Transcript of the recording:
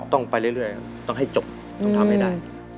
ต้องไปเรื่อยครับต้องให้จบต้องทำให้ได้